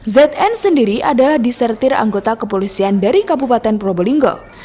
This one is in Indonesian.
zn sendiri adalah disertir anggota kepolisian dari kabupaten probolinggo